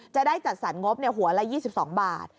จะได้จัดสรรงบหัวละ๒๒บาท